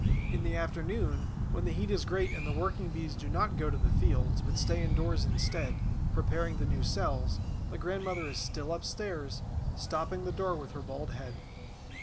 In the afternoon, when the heat is great and the working Bees do not go to the fields, but stay indoors instead, preparing the new cells, the grandmother is still upstairs, stopping the door with her bald head.